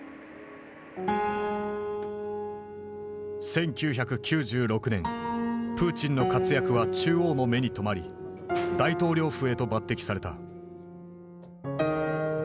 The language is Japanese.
１９９６年プーチンの活躍は中央の目に留まり大統領府へと抜擢された。